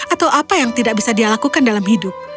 atau apa yang tidak bisa dia lakukan dalam hidup